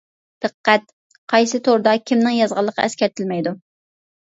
دىققەت: قايسى توردا، كىمنىڭ يازغانلىقى ئەسكەرتىلمەيدۇ.